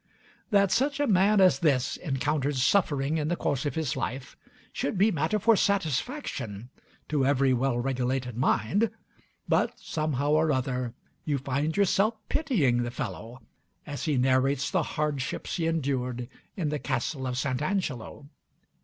That such a man as this encountered suffering in the course of his life should be matter for satisfaction to every well regulated mind; but somehow or other, you find yourself pitying the fellow as he narrates the hardships he endured in the Castle of St. Angelo.